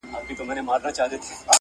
د ښايسته ساقي په لاس به جام گلنار وو!!